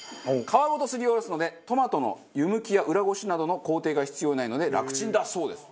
皮ごとすりおろすのでトマトの湯むきや裏ごしなどの工程が必要ないので楽ちんだそうです。